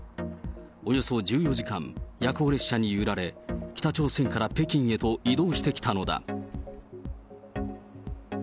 およそ１４時間、夜行列車に揺られ、北朝鮮から北京へと移動してきたのだ。